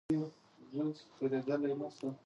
غرونه د افغانستان د ځایي اقتصادونو بنسټ دی.